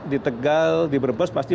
di tegal di brebes pasti